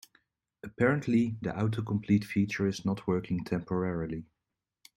Apparently, the autocomplete feature is not working temporarily.